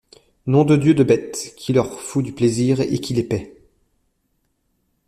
Nom de Dieu de bête! qui leur fout du plaisir et qui les paye !